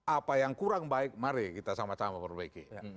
apa yang kurang baik mari kita sama sama perbaiki